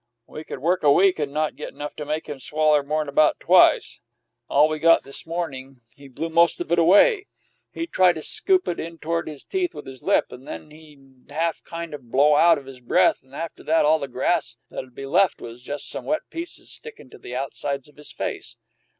"We could work a week and not get enough to make him swaller more'n about twice. All we got this morning, he blew most of it away. He'd try to scoop it in toward his teeth with his lip, and then he'd haf to kind of blow out his breath, and after that all the grass that'd be left was just some wet pieces stickin' to the outsides of his face.